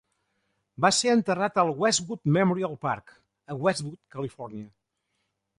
Va ser enterrat al Westwood Memorial Park a Westwood, Califòrnia.